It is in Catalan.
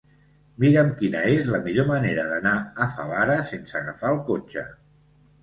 Mira'm quina és la millor manera d'anar a Favara sense agafar el cotxe.